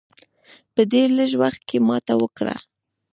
په ډېر لږ وخت کې ماته ورکړه.